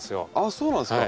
そうなんですか。